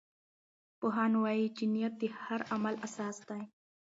پوهان وایي چې نیت د هر عمل اساس دی.